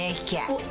おっ。